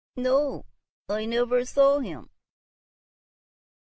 "No; I never saw him!"